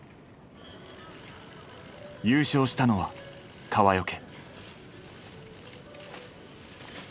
優勝したのは川除。